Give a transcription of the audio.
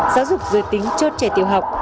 giáo dục dưới tính chốt trẻ tiểu học